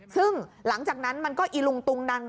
ซึ่งหลังจากนั้นมันก็อีลุงตุงนัง